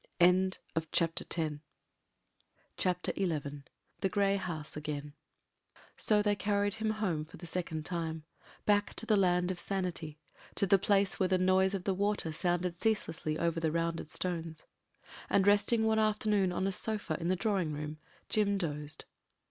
»••• f CHAPTER XI THE GREY HOUSE AGAIN SO they carried him home for the second time — ^back to the Land of Sanity: to the place where the noise of the water sounded ceaselessly over the rounded stones. And resting one afternoon on a sofa in the drawing room Jim dozed.